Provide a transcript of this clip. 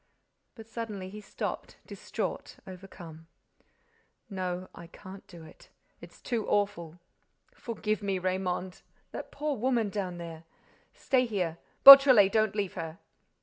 But, suddenly, he stopped, distraught, overcome: "No, I can't do it—it's too awful. Forgive me—Raymonde—that poor woman down there—Stay here. Beautrelet, don't leave her."